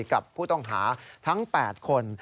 กับผู้ต้องหาทั้ง๘คน